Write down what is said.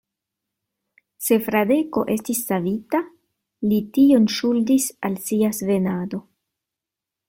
Se Fradeko estis savita, li tion ŝuldis al sia svenado.